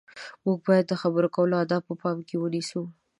موږ باید د خبرو کولو اداب په پام کې ونیسو.